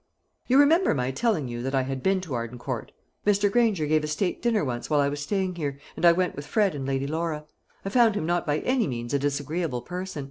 "You remember my telling you that I had been to Arden Court. Mr. Granger gave a state dinner once while I was staying here, and I went with Fred and Lady Laura. I found him not by any means a disagreeable person.